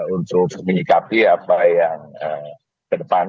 untuk menyikapi apa yang ke depan